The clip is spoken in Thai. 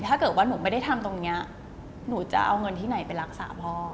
ถ้าเกิดว่าหนูไม่ได้ทำตรงนี้หนูจะเอาเงินที่ไหนไปรักษาพ่อ